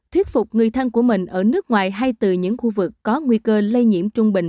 thuyết phục người thân của mình ở nước ngoài hay từ những khu vực có nguy cơ lây nhiễm trung bình